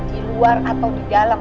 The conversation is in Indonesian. di luar atau di dalam